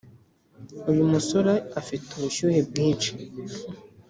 uyu musore afite ubushyuhe bwinshi.